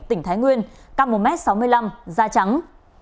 tỉnh thái nguyên ca một m sáu mươi năm da trắng